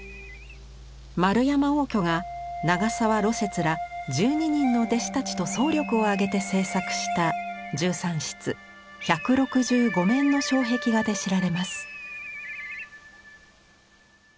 円山応挙が長沢芦雪ら１２人の弟子たちと総力を挙げて制作した１３室１６５面の障壁画で知られます。